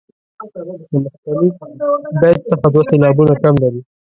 د مخکني بیت څخه دوه سېلابونه کم لري.